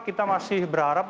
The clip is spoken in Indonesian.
kita masih berharap